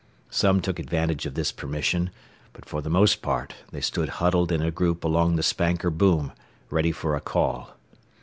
Some took advantage of this permission, but for the most part they stood huddled in a group along the spanker boom, ready for a call.